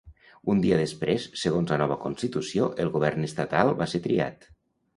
Un dia després, segons la nova constitució, el govern estatal va ser triat.